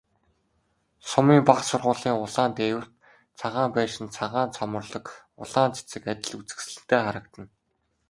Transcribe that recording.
Сумын бага сургуулийн улаан дээвэрт цагаан байшин, цагаан цоморлог улаан цэцэг адил үзэсгэлэнтэй харагдана.